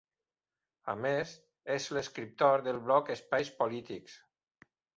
A més, és l'escriptor del bloc Space Politics.